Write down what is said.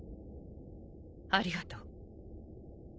ありがとう